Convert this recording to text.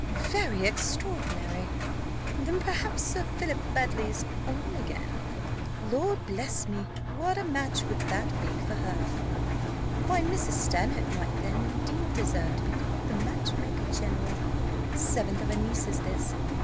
"Very extraordinary! Then perhaps Sir Philip Baddely's on again Lord bless me, what a match would that be for her! Why, Mrs. Stanhope might then, indeed, deserve to be called the match maker general. The seventh of her nieces this.